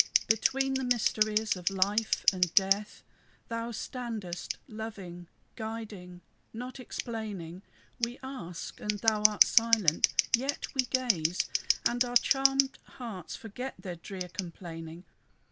Between the mysteries of death and life Thou standest, loving, guiding, not explaining; We ask, and thou art silent; yet we gaze, And our charmed hearts forget their drear complaining.